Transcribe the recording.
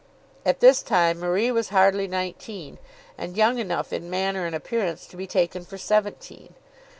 At this time Marie was hardly nineteen, and young enough in manner and appearance to be taken for seventeen.